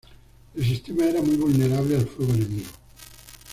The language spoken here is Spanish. El sistema era muy vulnerable al fuego enemigo.